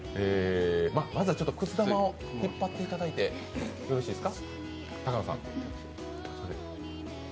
まずはくす玉を引っ張っていただいてよろしいですか？